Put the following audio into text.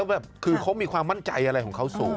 แบบคือเขามีความมั่นใจอะไรของเขาสูง